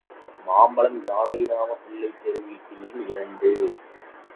மாம்பலம், ஜானகிராமப் பிள்ளைத் தெரு வீட்டு எண் இரண்டு.